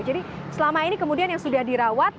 jadi selama ini kemudian yang sudah dirawat